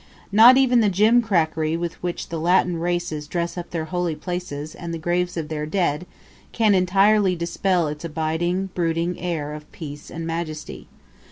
Not even the jimcrackery with which the Latin races dress up their holy places and the graves of their dead can entirely dispel its abiding, brooding air of peace and majesty.